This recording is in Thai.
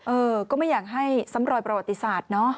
เออก็ไม่อยากให้ซ้ำรอยประวัติศาสตร์เนอะ